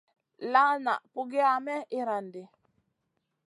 La na pugiya may irandi.